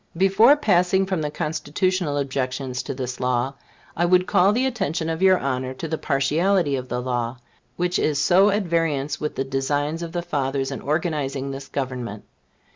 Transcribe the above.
Before passing from the Constitutional objections to this law, I would call the attention of your Honor to the partiality of the law, which is so at variance with the designs of the Fathers in organizing this Government.